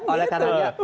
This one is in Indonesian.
oleh karena itu